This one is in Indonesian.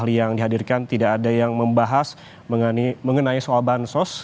ahli yang dihadirkan tidak ada yang membahas mengenai soal bahan sos